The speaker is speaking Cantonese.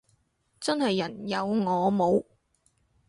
真係人有我冇